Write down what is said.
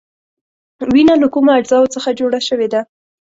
وینه له کومو اجزاوو څخه جوړه شوې ده؟